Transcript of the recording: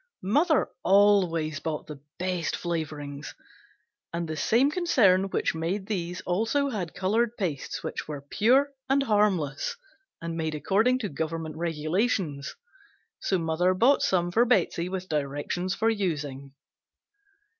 (Mother always bought the best flavorings and the same concern which made these also had color pastes which were pure and harmless and made according to government regulations, so mother bought some for Betsey with directions for using.)